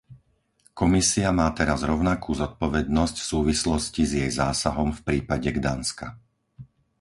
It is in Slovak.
Komisia má teraz rovnakú zodpovednosť v súvislosti s jej zásahom v prípade Gdanska.